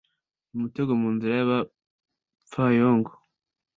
ni umutego mu nzira y’abapfayongo.